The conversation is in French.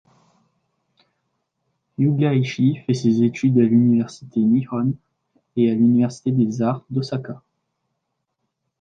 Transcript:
Yūya Ishii fait ses études à l'université Nihon et à l'université des arts d'Osaka.